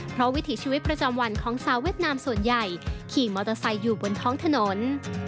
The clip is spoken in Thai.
เพราะวิถีชีวิตประจำวันของสาวเวียดนามส่วนใหญ่ขี่มอเตอร์ไซค์อยู่บนท้องถนน